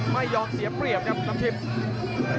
ไม่ยอมเสียเปรียบครับน้ำชิม